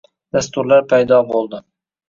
Dasturlar paydo bo'ldi